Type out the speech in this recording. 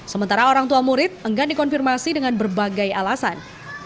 sementara orang tua murid enggan dikonfirmasi dengan berbagai alasan